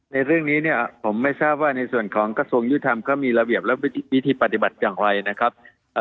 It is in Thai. ในเรื่องนี้เนี่ยผมไม่ทราบว่าในส่วนของกระทรวงยุทธรรมเขามีระเบียบและวิธีปฏิบัติอย่างไรนะครับ